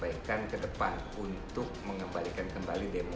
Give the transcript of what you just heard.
dan juga bisa mencapai korum dan menghasilkan rekomendasi perbaikan pemilu